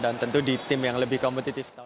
dan tentu di tim yang lebih kompetitif